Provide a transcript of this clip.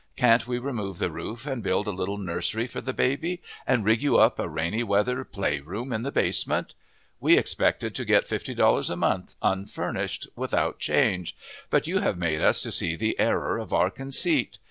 Can't we remove the roof and build a little nursery for the baby, and rig you up a rainy weather playroom in the basement? We expected to get $50 a month, unfurnished, without changes; but you have made us to see the error of our conceit.